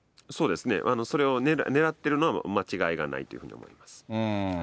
そうですね、それを狙ってるのは間違いがないというふうに思います。